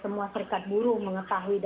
semua serikat buruh mengetahui